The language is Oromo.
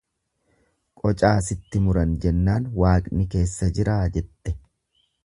Qocaa sitti muran jennaan Waaqni keessa jiraa jette.